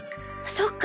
そっか！